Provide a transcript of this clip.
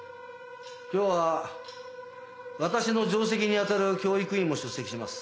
今日は私の上席に当たる教育委員も出席します。